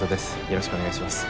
よろしくお願いします。